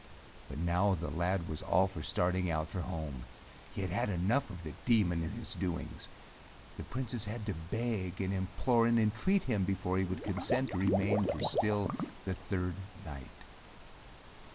But now the lad was all for starting out for home. He had had enough of the Demon and his doings. The Princess had to beg and implore and entreat him before he would consent to remain for still the third night.